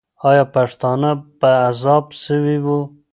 آیا پښتانه په عذاب سوي وو؟